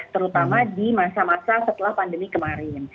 terutama di masa masa setelah pandemi kemarin